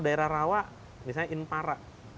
daerah rawa misalnya inpara